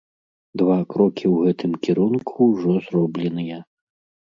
Два крокі ў гэтым кірунку ўжо зробленыя.